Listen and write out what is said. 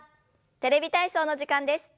「テレビ体操」の時間です。